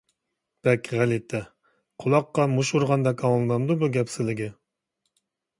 بەك غەلىتە، قۇلاققا مۇشت ئۇرغاندەك ئاڭلىنامدۇ بۇ گەپ سىلىگە؟!